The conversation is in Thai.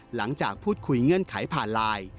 หลังจากพูดคุยเงื่อนไขผ่านไลน์